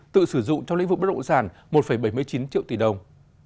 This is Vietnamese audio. tự sử dụng trong lĩnh vực bất động sản một bảy mươi chín triệu tỷ đồng